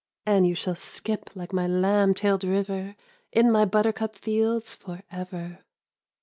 And you shall skip like my lamb tailed river. In my buttercup fields for ever."